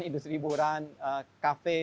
industri hiburan kafe